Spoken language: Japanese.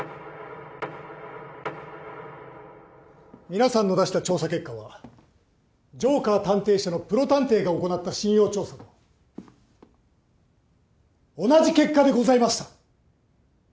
皆さんの出した調査結果はジョーカー探偵社のプロ探偵が行った信用調査と同じ結果でございました。